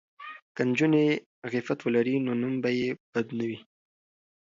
که نجونې عفت ولري نو نوم به یې بد نه وي.